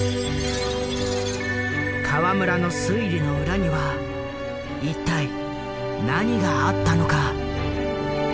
河村の推理の裏には一体何があったのか？